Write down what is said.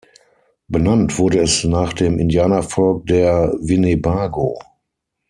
Benannt wurde es nach dem Indianervolk der Winnebago.